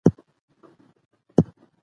نیمایي وسلې مهاراجا ته ورکول کیږي.